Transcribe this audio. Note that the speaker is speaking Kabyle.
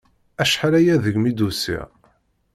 Acḥal-aya degmi d-usiɣ!